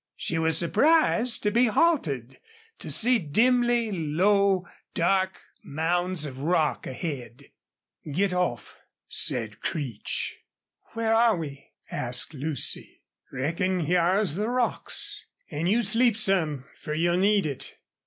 She was surprised to be halted, to see dimly low, dark mounds of rock ahead. "Git off," said Creech. "Where are we?" asked Lucy. "Reckon hyar's the rocks. An' you sleep some, fer you'll need it."